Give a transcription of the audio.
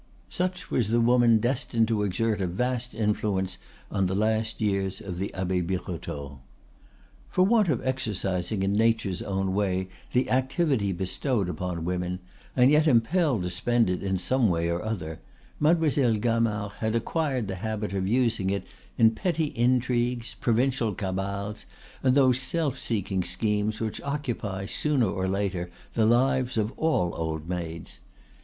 Such was the woman destined to exert a vast influence on the last years of the Abbe Birotteau. For want of exercising in nature's own way the activity bestowed upon women, and yet impelled to spend it in some way or other, Mademoiselle Gamard had acquired the habit of using it in petty intrigues, provincial cabals, and those self seeking schemes which occupy, sooner or later, the lives of all old maids.